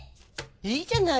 いいじゃない。